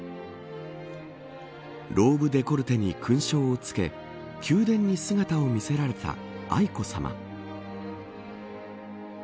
ローブデコルテに勲章をつけ宮殿に姿を見せられた愛子さま。